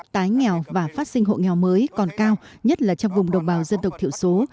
tái nghèo và phát sinh hộ nghèo mới còn cao nhất là trong vùng đồng bào dân tộc thiểu số